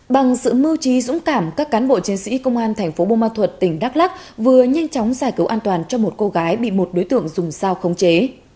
bằng sự mưu trí dũng cảm các cán bộ chiến sĩ công an thành phố bô ma thuật tỉnh đắk lắc vừa nhanh chóng giải cứu an toàn cho một cô gái bị một đối tượng dùng sao không chế